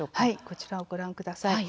こちらをご覧ください。